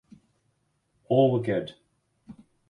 All were good.